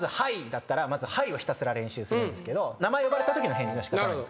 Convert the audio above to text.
だったらまず「はい」をひたすら練習するんですけど名前呼ばれたときの返事のしかたなんですけど。